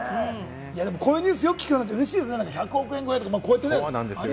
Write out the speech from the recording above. このニュース、よく聞くのうれしいですね、１００億円超えとかね。